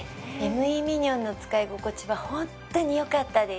ＭＥミニョンの使い心地はホントによかったです